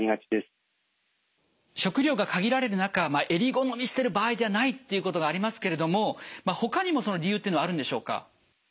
食料が限られる中えり好みしてる場合じゃないっていうことがありますけれどもほかにもその理由はあるんでしょうか。